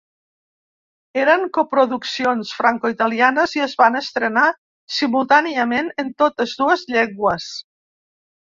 Eren coproduccions francoitalianes i es van estrenar simultàniament en totes dues llengües.